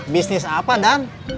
bisnis apa dan